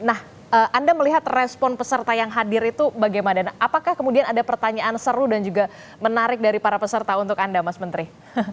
nah anda melihat respon peserta yang hadir itu bagaimana apakah kemudian ada pertanyaan seru dan juga menarik dari para peserta untuk anda mas menteri